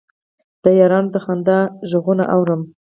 د یارانو د خندا غـــــــــــــــــږونه اورم